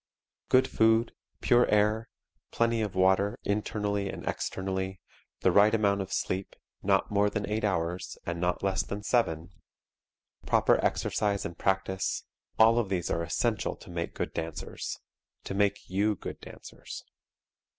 Good food, pure air, plenty of water, internally and externally, the right amount of sleep, not more than eight hours, and not less than seven, proper exercise and practice all of these are essential to make good dancers to make you good dancers.